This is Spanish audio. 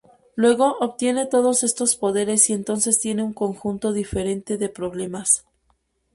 Luego obtienes todos estos poderes y entonces tienes un conjunto diferente de problemas.